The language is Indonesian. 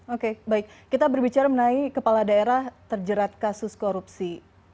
oke baik kita berbicara mengenai kepala daerah terjerat kasus korupsi